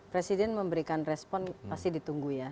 presiden memberikan respon pasti ditunggu ya